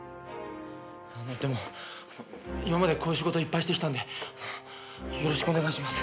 でも今までこういう仕事いっぱいしてきたんでよろしくお願いします！